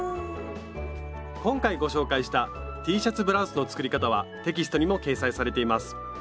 今回ご紹介したＴシャツブラウスの作り方はテキストにも掲載されています。